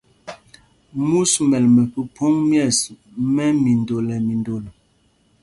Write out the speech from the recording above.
Mūs mɛ́l mɛ phúphōŋ mɛ̂ɛs mɛ́ mindol nɛ mindol.